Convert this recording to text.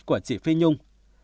của chị phi nhung